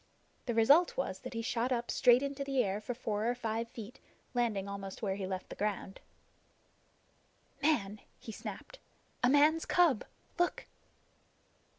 The result was that he shot up straight into the air for four or five feet, landing almost where he left ground. "Man!" he snapped. "A man's cub. Look!"